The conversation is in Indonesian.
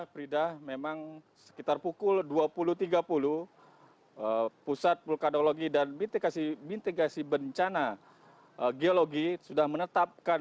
prida memang sekitar pukul dua puluh tiga puluh pusat vulkanologi dan mitigasi bencana geologi sudah menetapkan